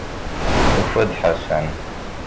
Tufa-d Ḥasan.